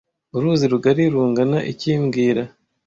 Uruzi rugari rungana iki mbwira